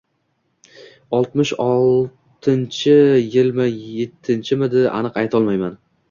Oltmish oltinchi yilmi-ettinchimidi — aniq aytolmayman.